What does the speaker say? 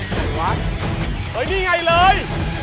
ไหนวะนี่ไงเลย